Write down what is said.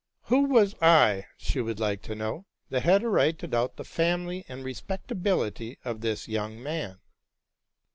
Who was I, she would like to know, that had : right to doubt the family and respectability of this young man?